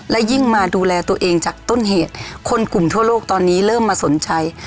และยิ่งมาดูแลตัวเองจากต้นเหตุคนกลุ่มทั่วโลกตอนนี้เริ่มมาสนใจ